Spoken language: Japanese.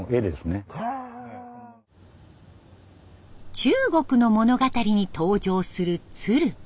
中国の物語に登場する鶴。